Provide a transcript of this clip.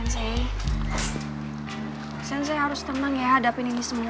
sensei sensei harus tenang ya hadapin ini semua